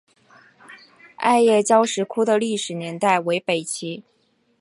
艾叶交石窟的历史年代为北齐。